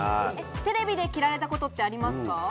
テレビで着られたことはありますか？